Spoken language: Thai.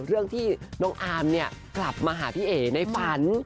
เรื่องที่น้องอาร์มเนี่ยกลับมาหาพี่เอ๋ในฝัน